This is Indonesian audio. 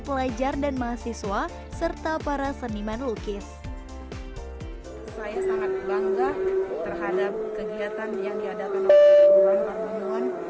pelajar dan mahasiswa serta para seniman lukis saya sangat bangga terhadap kegiatan yang diadakan oleh